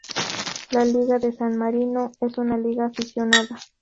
La Liga de San Marino es una liga aficionada.